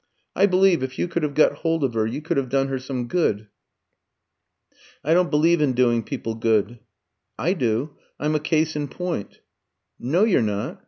I believe, if you could have got hold of her, you could have done her some good." "I don't believe in doing people good." "I do. I'm a case in point." "No, you're not."